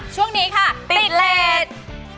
ช่วงนี้ค่ะติดเลส